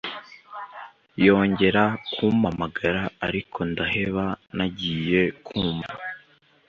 yongera ku mpamagara ariko ndaheba nagiye kumva